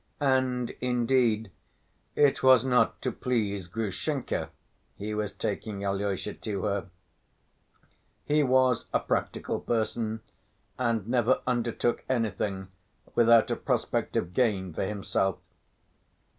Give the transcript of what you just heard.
And indeed it was not to please Grushenka he was taking Alyosha to her. He was a practical person and never undertook anything without a prospect of gain for himself.